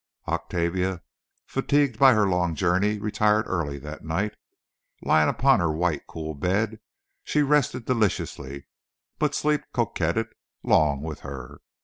Octavia, fatigued by her long journey, retired early that night. Lying upon her white, cool bed, she rested deliciously, but sleep coquetted long with her.